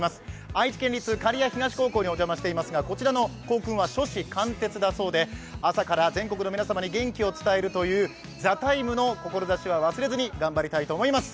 愛知県の刈谷東高校にお邪魔していますがこちらの校訓は初志貫徹だそうで朝から全国の皆様に元気を伝えるという「ＴＨＥＴＩＭＥ，」の志を忘れずに頑張りたいと思います。